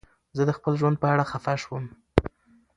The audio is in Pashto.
زه د خپل ژوند په اړه خفه شوم.